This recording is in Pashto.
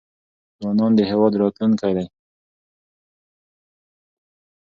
ځوانان د هیواد راتلونکی دی.